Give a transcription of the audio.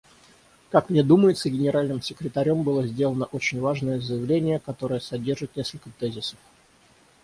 Как мне думается, Генеральным секретарем было сделано очень важное заявление, которое содержит несколько тезисов.